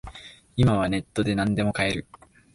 今はネットでなんでも買える